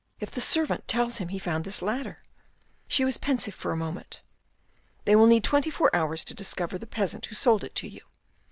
" If the servant tells him he found this ladder ?" She was pensive for a moment. " They will need twenty four hours to discover the peasant who sold it to you."